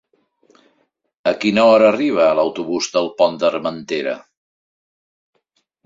A quina hora arriba l'autobús del Pont d'Armentera?